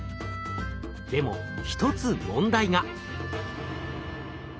でも一つ問題が。